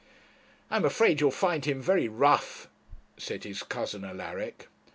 'I am afraid you will find him very rough,' said his cousin Alaric.